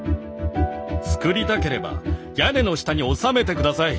つくりたければ屋根の下に収めて下さい！